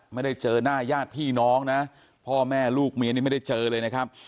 ไม่ได้เจอหน้าญาติพี่น้องนะพ่อแม่ลูกเมียนี่ไม่ได้เจอเลยนะครับ